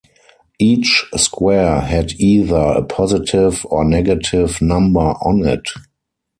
Each square had either a positive or negative number on it.